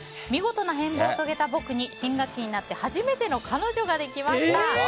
見事な変貌を遂げた僕に新学期になって初めての彼女ができました。